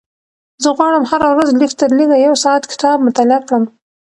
زه غواړم هره ورځ لږترلږه یو ساعت کتاب مطالعه کړم.